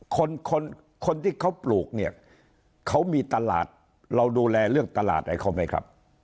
คนคนที่เขาปลูกเนี่ยเขามีตลาดเราดูแลเรื่องตลาดให้เขาไหมครับ